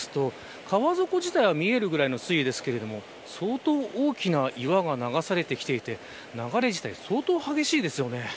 かなり上流の方を見ますと川底自体は見えるぐらいの水位ですが相当大きな岩が流されてきていて流れ自体、相当激しいですよね。